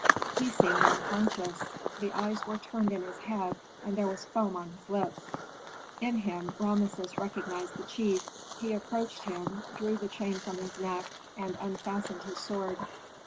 He seemed unconscious; the eyes were turned in his head, and there was foam on his lips. In him Rameses recognized the chief. He approached him, drew the chain from his neck, and unfastened his sword.